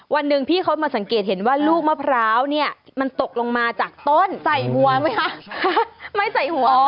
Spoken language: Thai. วันหนึ่งพี่เขามาสังเกตเห็นว่าลูกมะพร้าวเนี่ยมันตกลงมาจากต้นใส่วัวไหมคะไม่ใส่หัว